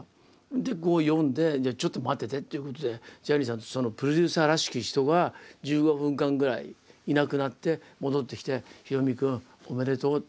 で読んで「ちょっと待ってて」っていうことでジャニーさんとそのプロデューサーらしき人が１５分間ぐらいいなくなって戻ってきてすごいですね。